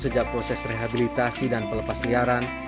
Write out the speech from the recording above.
sejak proses rehabilitasi dan pelepas liaran